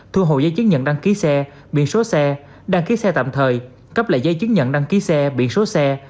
thu hộ dây chứng nhận đăng ký xe biển số xe đăng ký xe tạm thời cấp lại dây chứng nhận đăng ký xe biển số xe